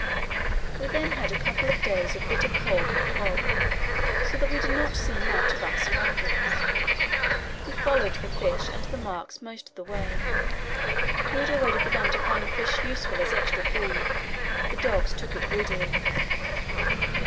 We then had a couple of days of bitter cold with fog, so that we did not see much of our surroundings. We followed the fish and the marks most of the way. We had already begun to find the fish useful as extra food; the dogs took it greedily.